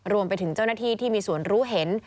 รวมไปถึงเจ้าหน้าที่ที่มีส่วนรู้เห็น